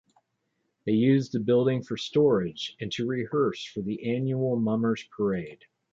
They used the building for storage and to rehearse for the annual Mummers Parade.